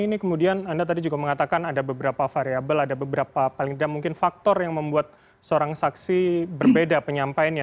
ini kemudian anda tadi juga mengatakan ada beberapa variable ada beberapa paling tidak mungkin faktor yang membuat seorang saksi berbeda penyampaiannya